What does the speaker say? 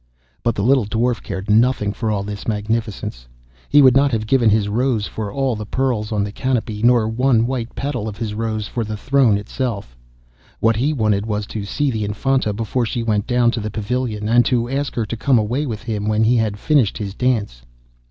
But the little Dwarf cared nothing for all this magnificence. He would not have given his rose for all the pearls on the canopy, nor one white petal of his rose for the throne itself. What he wanted was to see the Infanta before she went down to the pavilion, and to ask her to come away with him when he had finished his dance.